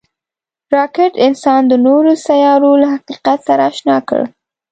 راکټ انسان د نورو سیارو له حقیقت سره اشنا کړ